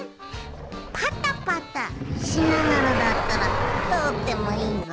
パタパタしながらだったらとおってもいいぞ。